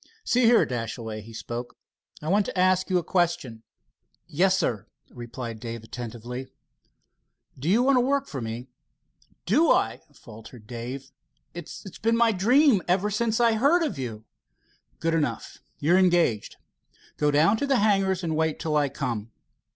"See here, Dashaway," he spoke, "I want to ask you a question." "Yes, sir," replied Dave attentively. "Do you want to go to work for me?" "Do I!—" faltered Dave. "It's been my dream ever since I heard of you." "Good enough. You're engaged. Go down to the hangars and wait till I come.